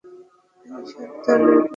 আমি বাধ্য নই, প্রশান্ত।